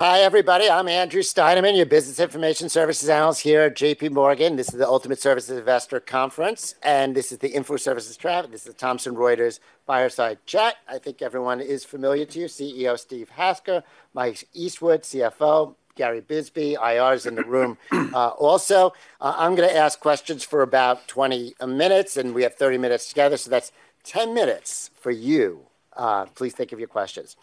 Hi, everybody. I'm Andrew Steinerman, your Business Information Services Analyst here at JPMorgan. This is the Ultimate Services Investor Conference, and this is the Info Services Tribe. This is Thomson Reuters Fireside Chat. I think everyone is familiar to you: CEO Steve Hasker, CFO Mike Eastwood, Gary Bisbee, IRs in the room also. I'm going to ask questions for about 20 minutes, and we have 30 minutes together, so that's 10 minutes for you. Please think of your questions.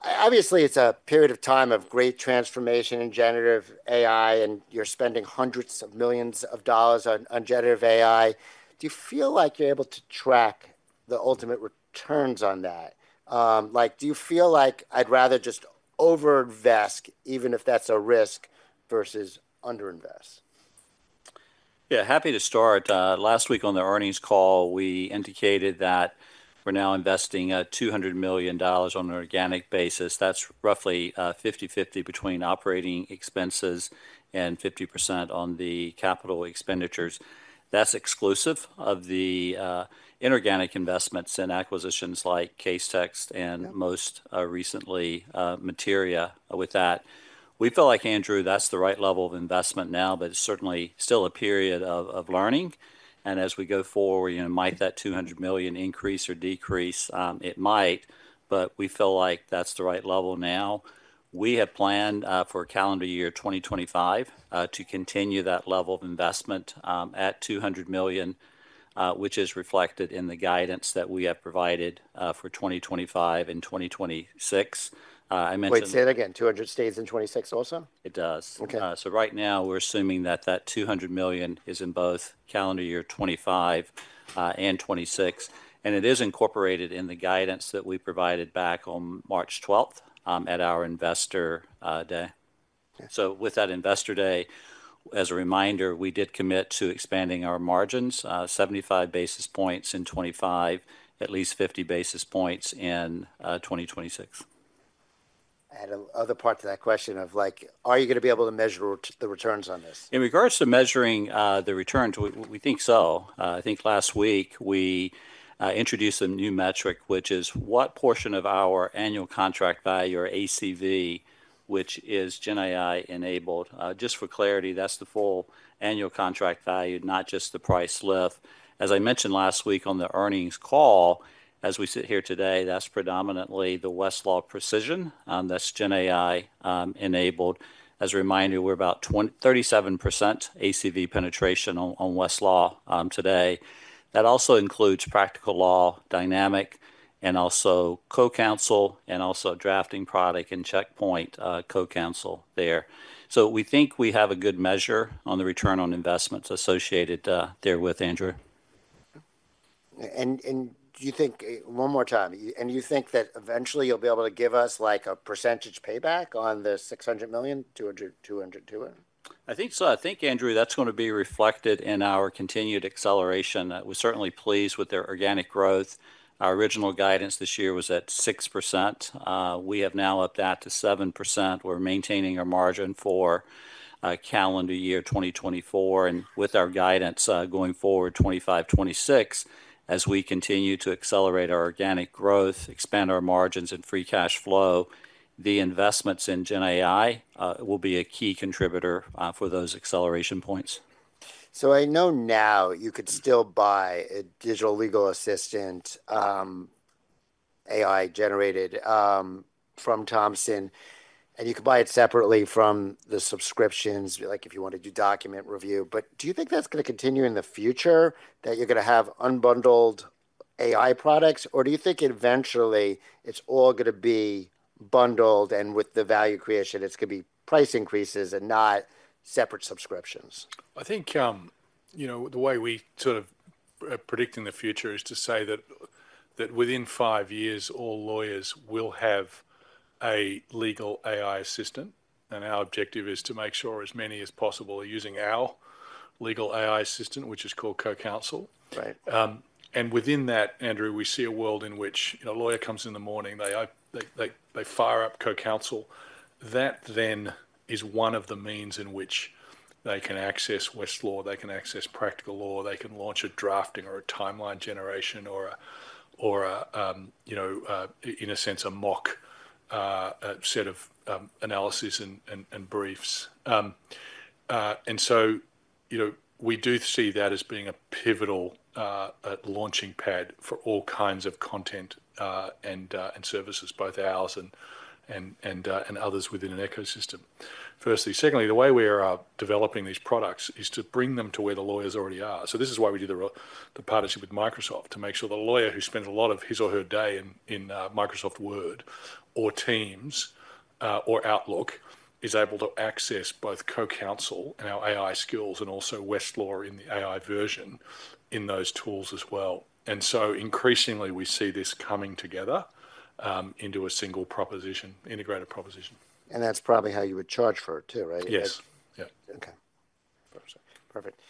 Obviously, it's a period of time of great transformation in generative AI, and you're spending hundreds of millions of dollars on generative AI. Do you feel like you're able to track the ultimate returns on that? Do you feel like I'd rather just over-invest, even if that's a risk, versus under-invest? Yeah, happy to start. Last week on the earnings call, we indicated that we're now investing $200 million on an organic basis. That's roughly 50/50 between operating expenses and 50% on the capital expenditures. That's exclusive of the inorganic investments and acquisitions like Casetext and most recently Materia with that. We feel like, Andrew, that's the right level of investment now, but it's certainly still a period of learning and as we go forward, you know, might that $200 million increase or decrease, it might, but we feel like that's the right level now. We have planned for calendar year 2025 to continue that level of investment at $200 million, which is reflected in the guidance that we have provided for 2025 and 2026. I mentioned. Wait, say that again. $200 stays in 2026 also? It does. So right now, we're assuming that that $200 million is in both calendar year 2025 and 2026, and it is incorporated in the guidance that we provided back on March 12th at our Investor Day. So with that Investor Day, as a reminder, we did commit to expanding our margins: 75 basis points in 2025, at least 50 basis points in 2026. I had another part to that question of, like, are you going to be able to measure the returns on this? In regards to measuring the returns, we think so. I think last week we introduced a new metric, which is what portion of our annual contract value, or ACV, which is GenAI-enabled. Just for clarity, that's the full annual contract value, not just the price lift. As I mentioned last week on the earnings call, as we sit here today, that's predominantly the Westlaw Precision. That's GenAI-enabled. As a reminder, we're about 37% ACV penetration on Westlaw today. That also includes Practical Law Dynamic, and also CoCounsel, and also a drafting product and Checkpoint CoCounsel there. So we think we have a good measure on the return on investments associated therewith, Andrew. Do you think that eventually you'll be able to give us, like, a percentage payback on the $600 million? I think so. I think, Andrew, that's going to be reflected in our continued acceleration. We're certainly pleased with their organic growth. Our original guidance this year was at 6%. We have now upped that to 7%. We're maintaining our margin for calendar year 2024. And with our guidance going forward 2025, 2026, as we continue to accelerate our organic growth, expand our margins, and free cash flow, the investments in GenAI will be a key contributor for those acceleration points. I know now you could still buy a digital legal assistant AI-generated from Thomson, and you could buy it separately from the subscriptions, like, if you want to do document review. But do you think that's going to continue in the future, that you're going to have unbundled AI products, or do you think eventually it's all going to be bundled and with the value creation, it's going to be price increases and not separate subscriptions? I think, you know, the way we sort of are predicting the future is to say that within five years, all lawyers will have a legal AI assistant, and our objective is to make sure as many as possible are using our legal AI assistant, which is called CoCounsel. And within that, Andrew, we see a world in which, you know, a lawyer comes in the morning, they fire up CoCounsel. That then is one of the means in which they can access Westlaw. They can access Practical Law. They can launch a drafting or a timeline generation or, you know, in a sense, a mock set of analyses and briefs. And so, you know, we do see that as being a pivotal launching pad for all kinds of content and services, both ours and others within an ecosystem. Firstly. Secondly, the way we are developing these products is to bring them to where the lawyers already are. So this is why we do the partnership with Microsoft, to make sure the lawyer who spends a lot of his or her day in Microsoft Word or Teams or Outlook is able to access both CoCounsel and our AI skills and also Westlaw in the AI version in those tools as well. And so increasingly, we see this coming together into a single proposition, integrated proposition. That's probably how you would charge for it, too, right? Yes. Yes. Yeah. Okay. Perfect.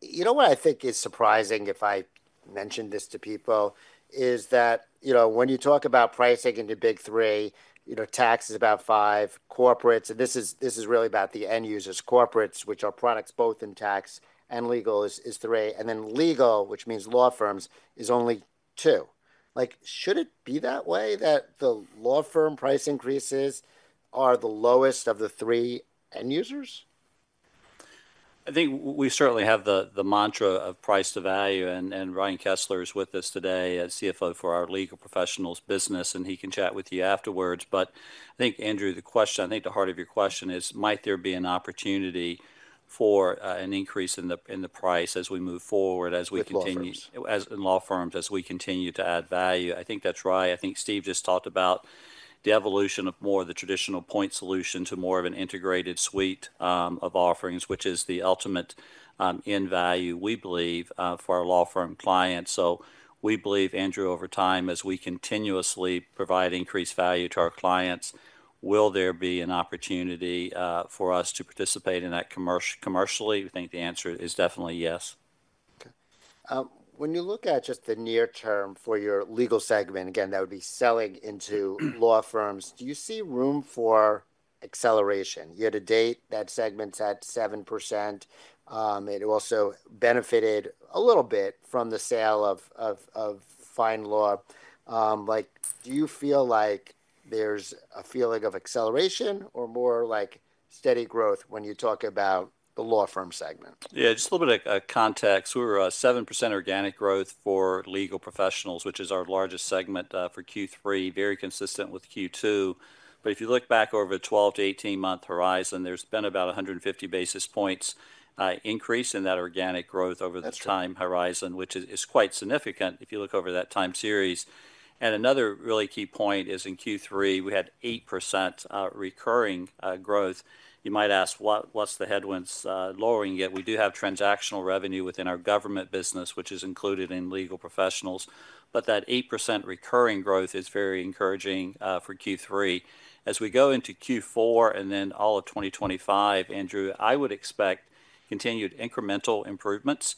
You know what I think is surprising, if I mention this to people, is that, you know, when you talk about pricing in the big three, you know, tax is about five, corporates, and this is really about the end users, corporates, which are products both in tax and legal is three, and then legal, which means law firms, is only two. Like, should it be that way that the law firm price increases are the lowest of the three end users? I think we certainly have the mantra of price to value, and Ryan Kessler is with us today as CFO for our Legal Professionals business, and he can chat with you afterwards. But I think, Andrew, the question, I think the heart of your question is, might there be an opportunity for an increase in the price as we move forward, as we continue. In law firms. As in law firms, as we continue to add value. I think that's right. I think Steve just talked about the evolution of more of the traditional point solution to more of an integrated suite of offerings, which is the ultimate in value, we believe, for our law firm clients. So we believe, Andrew, over time, as we continuously provide increased value to our clients, will there be an opportunity for us to participate in that commercially? We think the answer is definitely yes. When you look at just the near term for your legal segment, again, that would be selling into law firms, do you see room for acceleration? Year to date, that segment's at 7%. It also benefited a little bit from the sale of FindLaw. Like, do you feel like there's a feeling of acceleration or more like steady growth when you talk about the law firm segment? Yeah, just a little bit of context. We're a 7% organic growth for Legal Professionals, which is our largest segment for Q3, very consistent with Q2. But if you look back over the 12 to 18 month horizon, there's been about 150 basis points increase in that organic growth over the time horizon, which is quite significant if you look over that time series. And another really key point is in Q3, we had 8% recurring growth. You might ask, what's the headwinds lowering yet? We do have transactional revenue within our government business, which is included in Legal Professionals, but that 8% recurring growth is very encouraging for Q3. As we go into Q4 and then all of 2025, Andrew, I would expect continued incremental improvements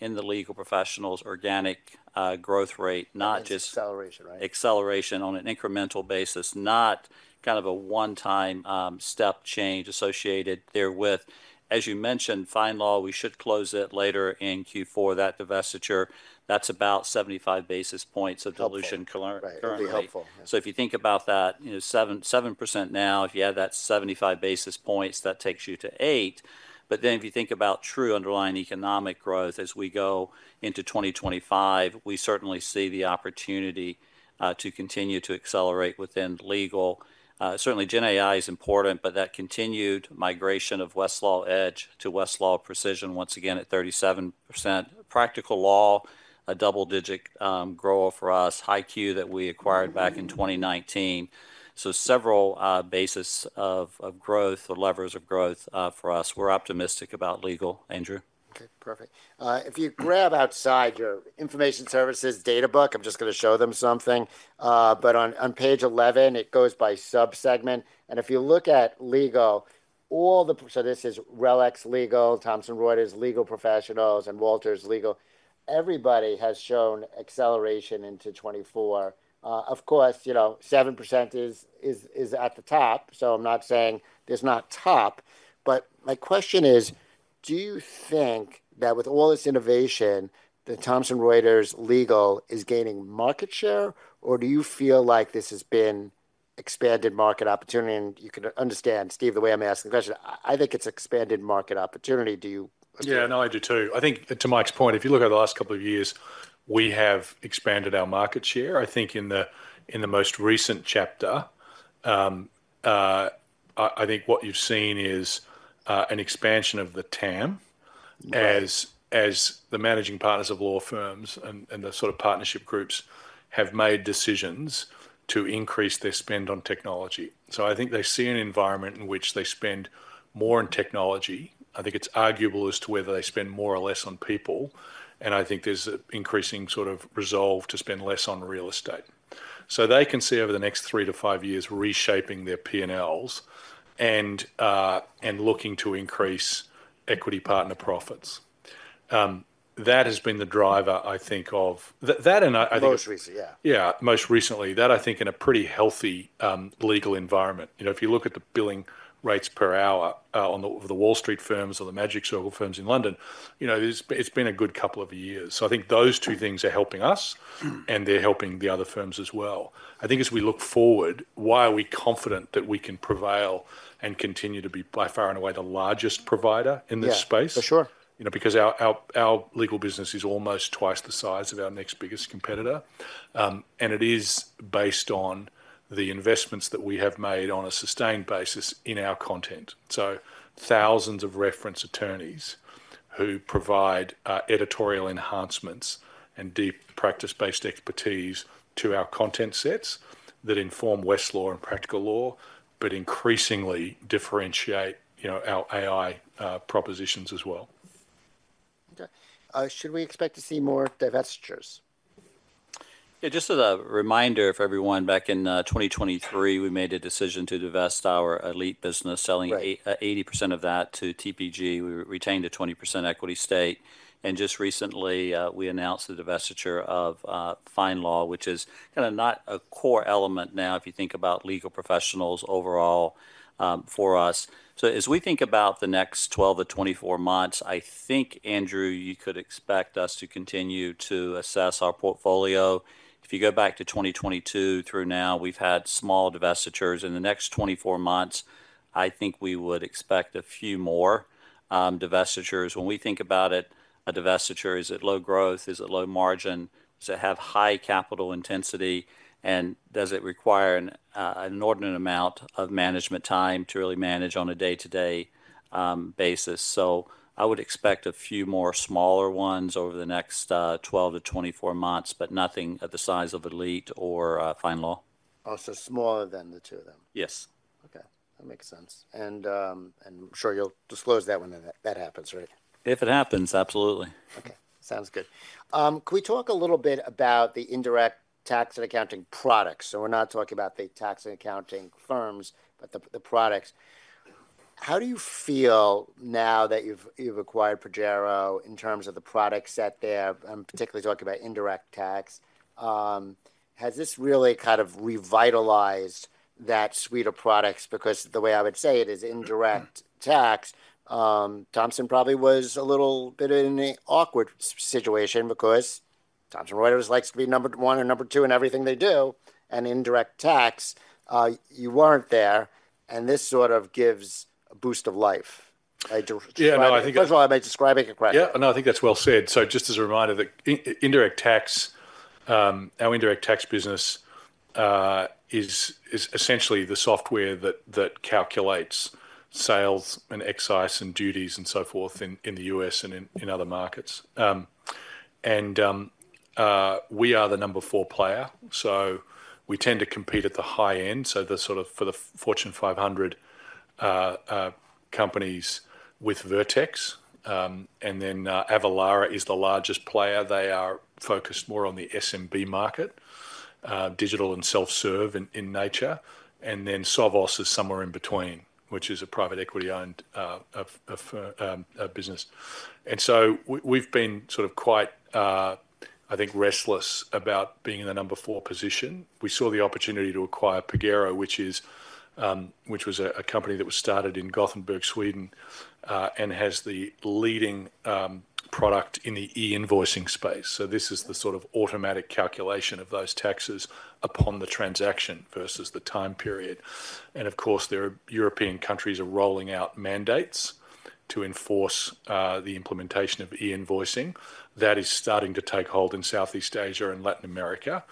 in the Legal Professionals' organic growth rate, not just. Acceleration, right? Acceleration on an incremental basis, not kind of a one-time step change associated therewith. As you mentioned, FindLaw, we should close it later in Q4, that divestiture. That's about 75 basis points of dilution currently. Right. That would be helpful. So if you think about that, you know, 7% now, if you add that 75 basis points, that takes you to 8%. But then if you think about true underlying economic growth as we go into 2025, we certainly see the opportunity to continue to accelerate within legal. Certainly, GenAI is important, but that continued migration of Westlaw Edge to Westlaw Precision, once again at 37%. Practical Law, a double-digit grower for us, HighQ that we acquired back in 2019. So several basis points of growth or levers of growth for us. We're optimistic about legal, Andrew. Okay. Perfect. If you grab outside your information services data book, I'm just going to show them something, but on page 11, it goes by subsegment. And if you look at legal, all the, so this is RELX Legal, Thomson Reuters Legal Professionals, and Wolters Legal, everybody has shown acceleration into 2024. Of course, you know, 7% is at the top, so I'm not saying it's not top, but my question is, do you think that with all this innovation, that Thomson Reuters Legal is gaining market share, or do you feel like this has been expanded market opportunity? And you can understand, Steve, the way I'm asking the question, I think it's expanded market opportunity. Do you? Yeah, no, I do too. I think to Mike's point, if you look at the last couple of years, we have expanded our market share. I think in the most recent chapter, I think what you've seen is an expansion of the TAM as the managing partners of law firms and the sort of partnership groups have made decisions to increase their spend on technology. So I think they see an environment in which they spend more on technology. I think it's arguable as to whether they spend more or less on people, and I think there's an increasing sort of resolve to spend less on real estate. So they can see over the next three to five years reshaping their P&Ls and looking to increase equity partner profits. That has been the driver, I think, of that, and I think. Most recently, yeah. Yeah, most recently. That, I think, in a pretty healthy legal environment. You know, if you look at the billing rates per hour of the Wall Street firms or the Magic Circle firms in London, you know, it's been a good couple of years. So I think those two things are helping us, and they're helping the other firms as well. I think as we look forward, why are we confident that we can prevail and continue to be by far and away the largest provider in this space? Yeah, for sure. You know, because our legal business is almost twice the size of our next biggest competitor, and it is based on the investments that we have made on a sustained basis in our content. So thousands of reference attorneys who provide editorial enhancements and deep practice-based expertise to our content sets that inform Westlaw and Practical Law, but increasingly differentiate, you know, our AI propositions as well. Should we expect to see more divestitures? Yeah, just as a reminder for everyone, back in 2023, we made a decision to divest our Elite business, selling 80% of that to TPG. We retained a 20% equity stake, and just recently we announced the divestiture of FindLaw, which is kind of not a core element now if you think about Legal Professionals overall for us. So as we think about the next 12-24 months, I think, Andrew, you could expect us to continue to assess our portfolio. If you go back to 2022 through now, we've had small divestitures. In the next 24 months, I think we would expect a few more divestitures. When we think about it, a divestiture, is it low growth? Is it low margin? Does it have high capital intensity? And does it require an inordinate amount of management time to really manage on a day-to-day basis? So I would expect a few more smaller ones over the next 12-24 months, but nothing of the size of Elite or FindLaw. Oh, so smaller than the two of them. Yes. Okay. That makes sense. And I'm sure you'll disclose that when that happens, right? If it happens, absolutely. Okay. Sounds good. Can we talk a little bit about the indirect tax and accounting products? So we're not talking about the tax and accounting firms, but the products. How do you feel now that you've acquired Pagero in terms of the product set there, particularly talking about indirect tax? Has this really kind of revitalized that suite of products? Because the way I would say it is indirect tax, Thomson probably was a little bit in an awkward situation because Thomson Reuters likes to be number one or number two in everything they do, and indirect tax, you weren't there, and this sort of gives a boost of life. Yeah, no, I think. First of all, am I describing it correctly? Yeah, no, I think that's well said. So just as a reminder that indirect tax, our indirect tax business is essentially the software that calculates sales and excise and duties and so forth in the US and in other markets. And we are the number four player, so we tend to compete at the high end. So the sort of, for the Fortune 500 companies with Vertex, and then Avalara is the largest player. They are focused more on the SMB market, digital and self-serve in nature, and then Sovos is somewhere in between, which is a private equity-owned business. And so we've been sort of quite, I think, restless about being in the number four position. We saw the opportunity to acquire Pagero, which was a company that was started in Gothenburg, Sweden, and has the leading product in the e-invoicing space. This is the sort of automatic calculation of those taxes upon the transaction versus the time period. Of course, European countries are rolling out mandates to enforce the implementation of e-invoicing. That is starting to take hold in Southeast Asia and Latin America.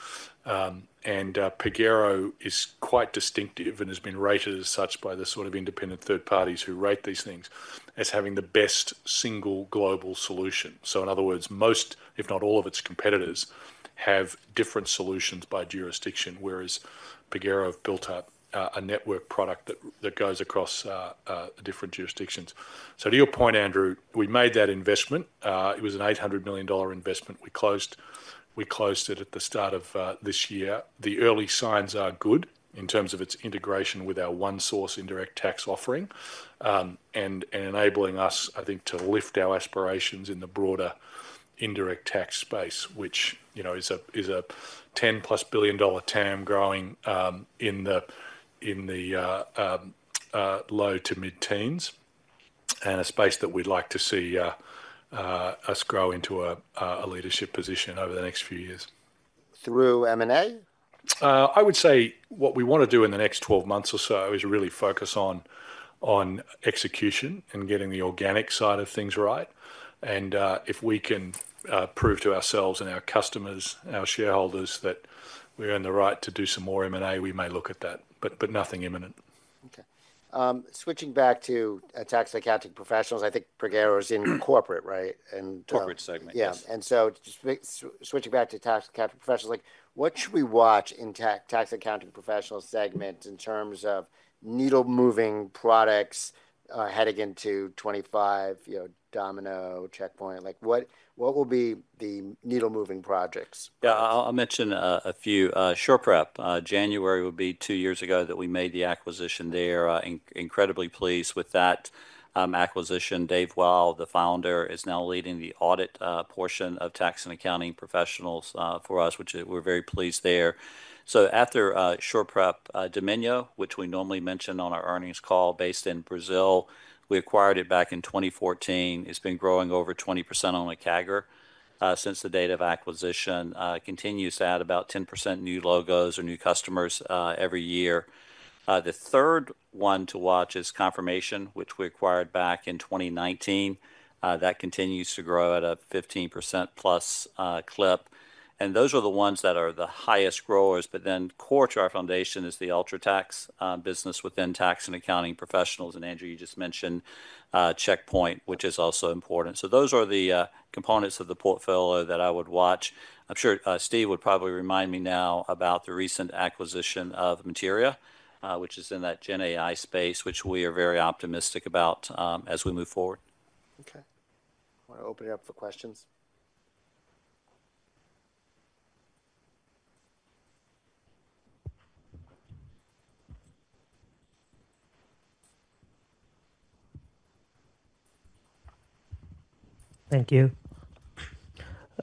Pagero is quite distinctive and has been rated as such by the sort of independent third parties who rate these things as having the best single global solution. In other words, most, if not all of its competitors have different solutions by jurisdiction, whereas Pagero have built up a network product that goes across different jurisdictions. To your point, Andrew, we made that investment. It was an $800 million investment. We closed it at the start of this year. The early signs are good in terms of its integration with our ONESOURCE Indirect Tax offering and enabling us, I think, to lift our aspirations in the broader Indirect Tax space, which, you know, is a $10 plus billion TAM growing in the low to mid-teens and a space that we'd like to see us grow into a leadership position over the next few years. Through M&A? I would say what we want to do in the next 12 months or so is really focus on execution and getting the organic side of things right, and if we can prove to ourselves and our customers, our shareholders, that we earn the right to do some more M&A, we may look at that, but nothing imminent. Okay. Switching back to tax accounting professionals, I think Pagero is in corporate, right? Corporate segment, yes. Yeah. And so switching back to tax accounting professionals, like what should we watch in tax accounting professionals' segment in terms of needle-moving products heading into 2025, you know, Domino, Checkpoint? Like what will be the needle-moving projects? Yeah, I'll mention a few. SurePrep, January would be two years ago that we made the acquisition there. Incredibly pleased with that acquisition. Dave Wyle, the founder, is now leading the audit portion of Tax & Accounting Professionals for us, which we're very pleased there. So after SurePrep, Domínio, which we normally mention on our earnings call, based in Brazil, we acquired it back in 2014. It's been growing over 20% CAGR since the date of acquisition. Continues to add about 10% new logos or new customers every year. The third one to watch is Confirmation, which we acquired back in 2019. That continues to grow at a 15% plus clip. And those are the ones that are the highest growers, but then the core foundation is the UltraTax business within Tax & Accounting Professionals. And Andrew, you just mentioned Checkpoint, which is also important. So those are the components of the portfolio that I would watch. I'm sure Steve would probably remind me now about the recent acquisition of Materia, which is in that GenAI space, which we are very optimistic about as we move forward. Okay. I want to open it up for questions. Thank you.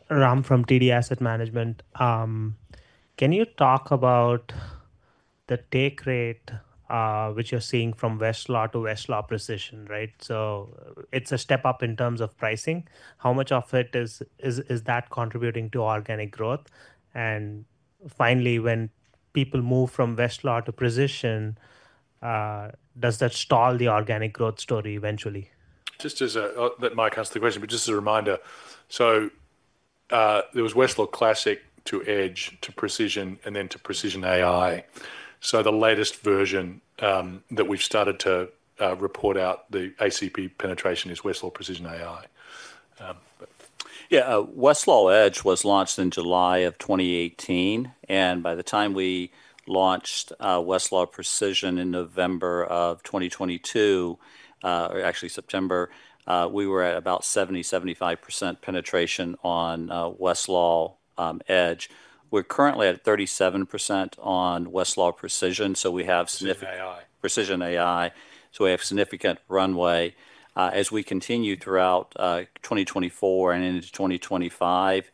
Ram from DD Asset Management. Can you talk about the take rate which you're seeing from Westlaw to Westlaw Precision, right? So it's a step up in terms of pricing. How much of it is that contributing to organic growth? And finally, when people move from Westlaw to Precision, does that stall the organic growth story eventually? Just as Mike asked the question, but just as a reminder, so there was Westlaw Classic to Edge to Precision and then to Precision AI. So the latest version that we've started to report out the ACV penetration is Westlaw Precision AI. Yeah, Westlaw Edge was launched in July of 2018, and by the time we launched Westlaw Precision in November of 2022, or actually September, we were at about 70%-75% penetration on Westlaw Edge. We're currently at 37% on Westlaw Precision, so we have significant. Precision AI. Westlaw Precision AI. We have significant runway. As we continue throughout 2024 and into 2025,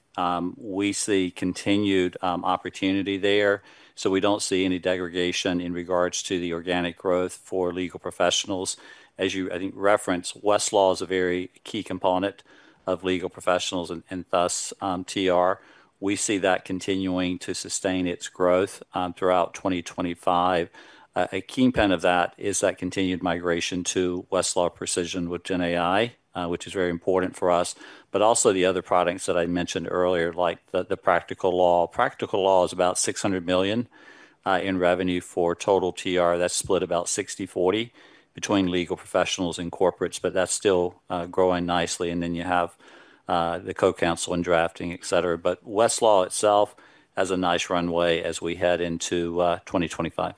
we see continued opportunity there. We do not see any degradation in regards to the organic growth for Legal Professionals. As you, I think, referenced, Westlaw is a very key component of Legal Professionals and thus TR. We see that continuing to sustain its growth throughout 2025. A key part of that is that continued migration to Westlaw Precision with GenAI, which is very important for us, but also the other products that I mentioned earlier, like the Practical Law. Practical Law is about $600 million in revenue for total TR. That is split about 6040 between Legal Professionals and corporates, but that is still growing nicely. Then you have the CoCounsel and drafting, et cetera. Westlaw itself has a nice runway as we head into 2025.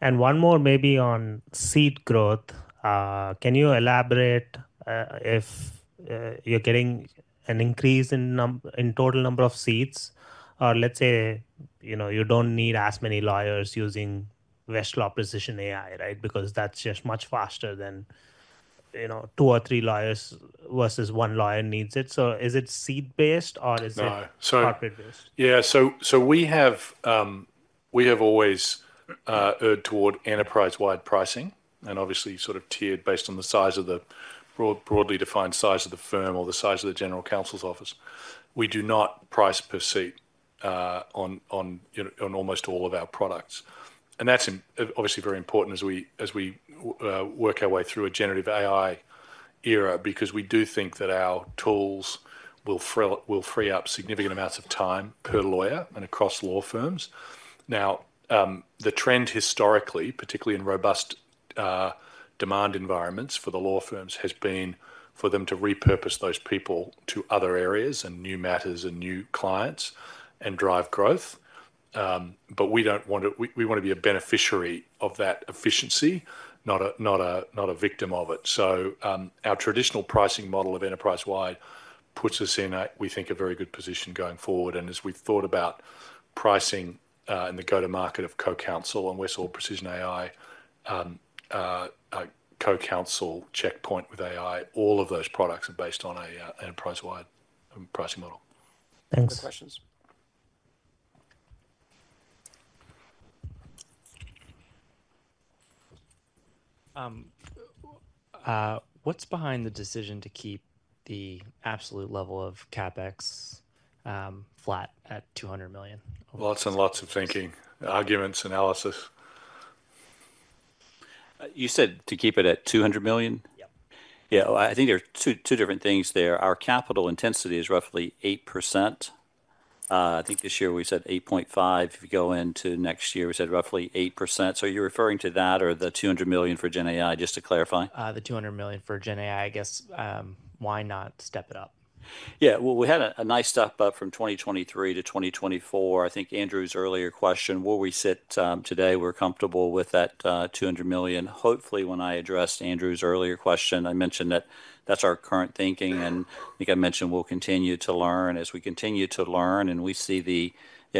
And one more, maybe, on seat growth. Can you elaborate if you're getting an increase in total number of seats? Or, let's say, you know, you don't need as many lawyers using Westlaw Precision AI, right? Because that's just much faster than, you know, two or three lawyers versus one lawyer needs it. So is it seat-based or is it corporate-based? Yeah, so we have always erred toward enterprise-wide pricing and obviously sort of tiered based on the size of the broadly defined size of the firm or the size of the general counsel's office. We do not price per seat on almost all of our products. And that's obviously very important as we work our way through a generative AI era because we do think that our tools will free up significant amounts of time per lawyer and across law firms. Now, the trend historically, particularly in robust demand environments for the law firms, has been for them to repurpose those people to other areas and new matters and new clients and drive growth. But we don't want to be a beneficiary of that efficiency, not a victim of it. So our traditional pricing model of enterprise-wide puts us in, we think, a very good position going forward. As we've thought about pricing and the go-to-market of CoCounsel and Westlaw Precision AI, CoCounsel, Checkpoint with AI, all of those products are based on an enterprise-wide pricing model. Thanks. No questions. What's behind the decision to keep the absolute level of CapEx flat at $200 million? Lots and lots of thinking, arguments, analysis. You said to keep it at $200 million? Yep. Yeah, I think there are two different things there. Our capital intensity is roughly 8%. I think this year we said 8.5. If you go into next year, we said roughly 8%. So are you referring to that or the $200 million for GenAI, just to clarify? The $200 million for GenAI, I guess. Why not step it up? Yeah, well, we had a nice step up from 2023 to 2024. I think Andrew's earlier question, where we sit today, we're comfortable with that $200 million. Hopefully, when I addressed Andrew's earlier question, I mentioned that that's our current thinking, and I think I mentioned we'll continue to learn as we continue to learn and we see the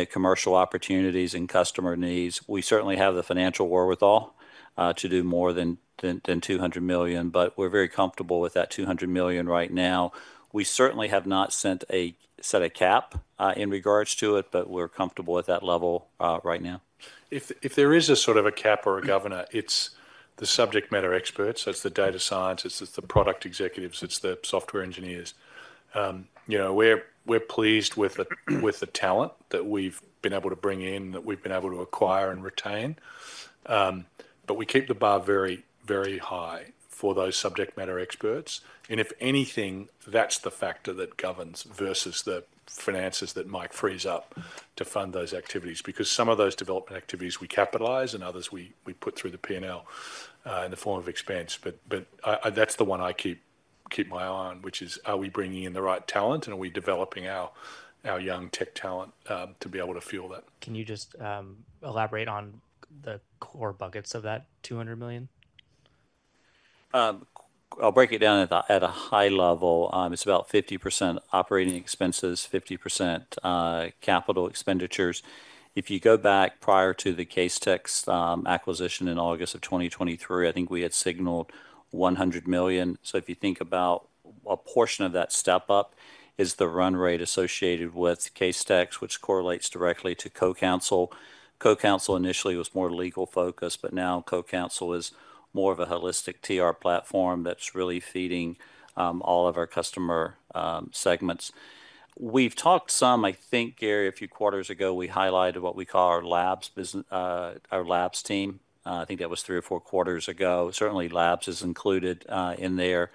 commercial opportunities and customer needs. We certainly have the financial wherewithal to do more than $200 million, but we're very comfortable with that $200 million right now. We certainly have not set a cap in regards to it, but we're comfortable with that level right now. If there is a sort of a cap or a governor, it's the subject matter experts. It's the data scientists, it's the product executives, it's the software engineers. You know, we're pleased with the talent that we've been able to bring in, that we've been able to acquire and retain. But we keep the bar very, very high for those subject matter experts. And if anything, that's the factor that governs versus the finances that Mike frees up to fund those activities because some of those development activities we capitalize and others we put through the P&L in the form of expense. But that's the one I keep my eye on, which is are we bringing in the right talent and are we developing our young tech talent to be able to fuel that? Can you just elaborate on the core buckets of that $200 million? I'll break it down at a high level. It's about 50% operating expenses, 50% capital expenditures. If you go back prior to the Casetext acquisition in August of 2023, I think we had signaled $100 million. So if you think about a portion of that step up is the run rate associated with Casetext, which correlates directly to CoCounsel. CoCounsel initially was more legal focused, but now CoCounsel is more of a holistic TR platform that's really feeding all of our customer segments. We've talked some, I think, Gary, a few quarters ago, we highlighted what we call our labs team. I think that was three or four quarters ago. Certainly, labs is included in there.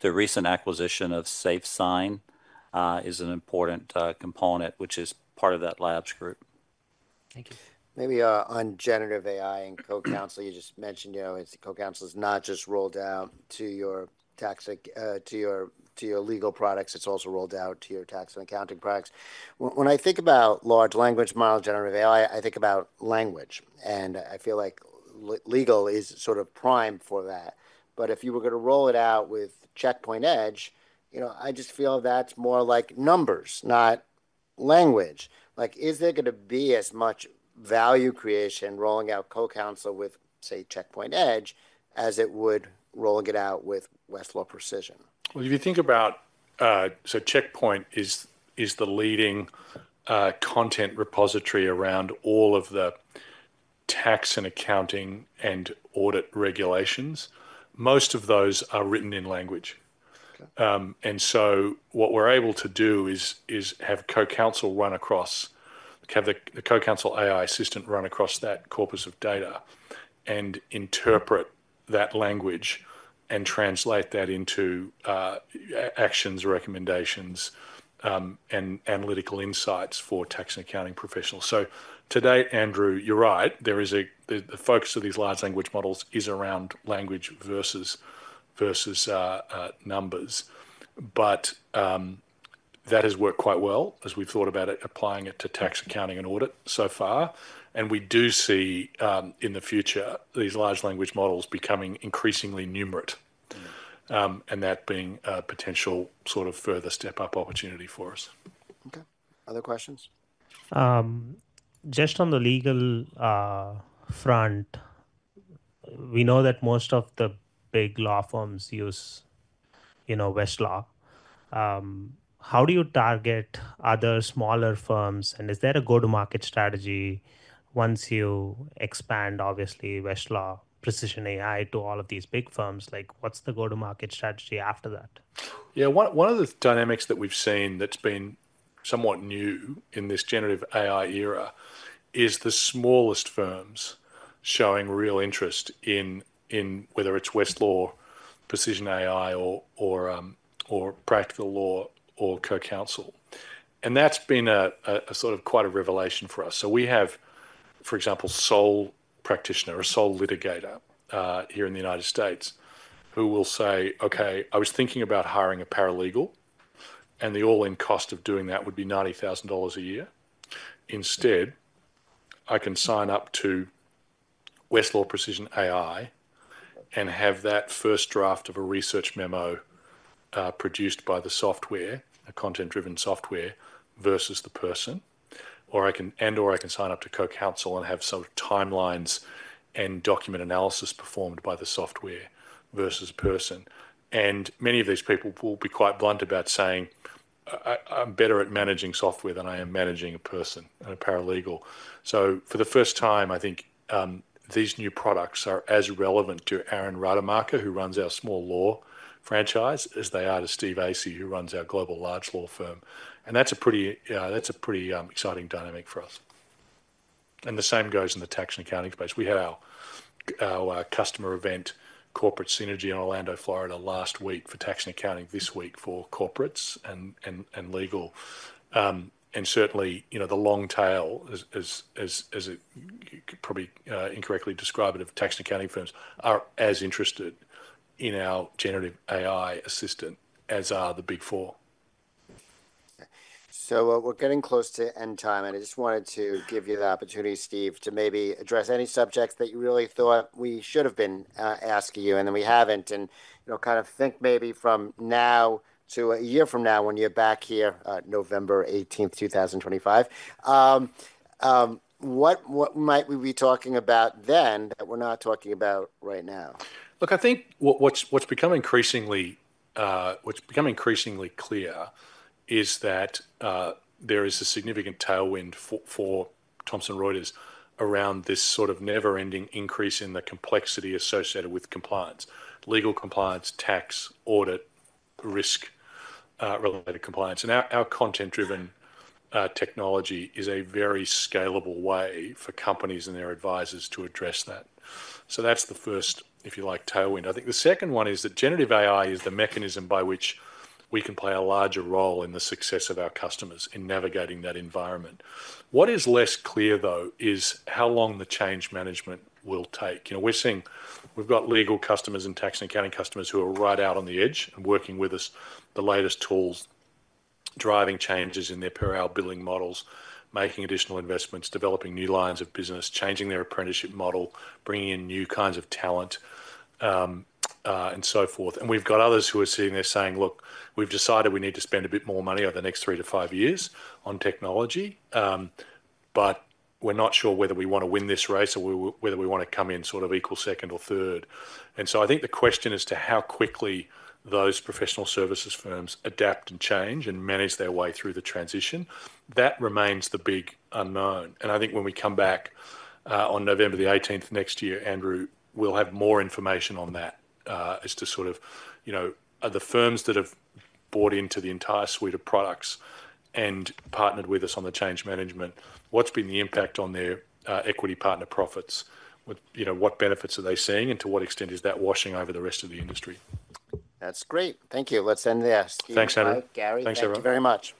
The recent acquisition of Safe Sign is an important component, which is part of that labs group. Thank you. Maybe on generative AI and CoCounsel, you just mentioned, you know, CoCounsel is not just rolled out to your legal products, it's also rolled out to your tax and accounting products. When I think about large language model generative AI, I think about language. And I feel like legal is sort of primed for that. But if you were going to roll it out with Checkpoint Edge, you know, I just feel that's more like numbers, not language. Like, is there going to be as much value creation rolling out CoCounsel with, say, Checkpoint Edge as it would rolling it out with Westlaw Precision? If you think about, so Checkpoint is the leading content repository around all of the tax and accounting and audit regulations. Most of those are written in language. And so what we're able to do is have CoCounsel run across, have the CoCounsel AI assistant run across that corpus of data and interpret that language and translate that into actions, recommendations, and analytical insights for Tax & Accounting Professionals. So today, Andrew, you're right. The focus of these large language models is around language versus numbers. But that has worked quite well as we've thought about applying it to tax accounting and audit so far. And we do see in the future these large language models becoming increasingly numerate and that being a potential sort of further step-up opportunity for us. Okay. Other questions? Just on the legal front, we know that most of the big law firms use, you know, Westlaw. How do you target other smaller firms, and is there a go-to-market strategy once you expand, obviously, Westlaw Precision AI to all of these big firms? Like, what's the go-to-market strategy after that? Yeah, one of the dynamics that we've seen that's been somewhat new in this generative AI era is the smallest firms showing real interest in whether it's Westlaw Precision AI, or Practical Law, or CoCounsel. And that's been a sort of quite a revelation for us. So we have, for example, sole practitioner or sole litigator here in the United States who will say, "Okay, I was thinking about hiring a paralegal and the all-in cost of doing that would be $90,000 a year. Instead, I can sign up to Westlaw Precision AI and have that first draft of a research memo produced by the software, a content-driven software versus the person. And/or I can sign up to CoCounsel and have some timelines and document analysis performed by the software versus a person." And many of these people will be quite blunt about saying, "I'm better at managing software than I am managing a person and a paralegal." So for the first time, I think these new products are as relevant to Aaron Rademacher, who runs our small law franchise, as they are to Steve Asay, who runs our global large law firm. And that's a pretty exciting dynamic for us. And the same goes in the tax and accounting space. We had our customer event, Corporate Synergy, in Orlando, Florida, last week for tax and accounting. This week for corporates and legal. Certainly, you know, the long tail, as you could probably incorrectly describe it, of tax and accounting firms are as interested in our generative AI assistant as are the big four. So we're getting close to end time. And I just wanted to give you the opportunity, Steve, to maybe address any subjects that you really thought we should have been asking you and then we haven't. And, you know, kind of think maybe from now to a year from now when you're back here at November 18th, 2025. What might we be talking about then that we're not talking about right now? Look, I think what's become increasingly clear is that there is a significant tailwind for Thomson Reuters around this sort of never-ending increase in the complexity associated with compliance, legal compliance, tax, audit, risk-related compliance. And our content-driven technology is a very scalable way for companies and their advisors to address that. So that's the first, if you like, tailwind. I think the second one is that generative AI is the mechanism by which we can play a larger role in the success of our customers in navigating that environment. What is less clear, though, is how long the change management will take. You know, we're seeing we've got legal customers and tax and accounting customers who are right out on the edge and working with us, the latest tools, driving changes in their per-hour billing models, making additional investments, developing new lines of business, changing their apprenticeship model, bringing in new kinds of talent, and so forth, and we've got others who are sitting there saying, "Look, we've decided we need to spend a bit more money over the next three to five years on technology, but we're not sure whether we want to win this race or whether we want to come in sort of equal second or third," and so I think the question as to how quickly those professional services firms adapt and change and manage their way through the transition, that remains the big unknown. I think when we come back on November the 18th next year, Andrew, we'll have more information on that as to sort of, you know, the firms that have bought into the entire suite of products and partnered with us on the change management, what's been the impact on their equity partner profits? You know, what benefits are they seeing and to what extent is that washing over the rest of the industry? That's great. Thank you. Let's end there. Thanks, Andrew. Gary, thank you very much.